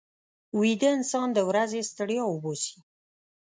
ویده انسان د ورځې ستړیا وباسي